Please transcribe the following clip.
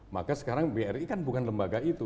maka sekarang bri kan bukan lembaga itu